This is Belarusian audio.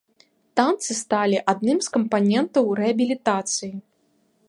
Танцы сталі адным з кампанентаў рэабілітацыі.